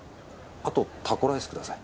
あとタコライスください。